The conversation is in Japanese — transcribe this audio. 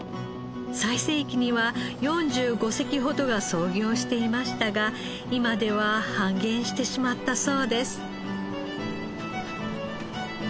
最盛期には４５隻ほどが操業していましたが今では半減してしまったそうです。